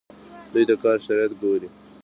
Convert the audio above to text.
دوی د کار شرایط ګوري.